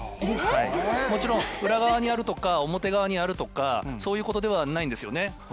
もちろん裏側にあるとか表側にあるとかそういうことではないんですよね。